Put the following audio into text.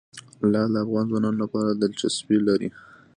لعل د افغان ځوانانو لپاره دلچسپي لري.